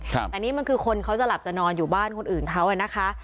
แต่นี่มันคือคนเขาจะหลับจะนอนอยู่บ้านคนอื่นเขาอ่ะนะคะ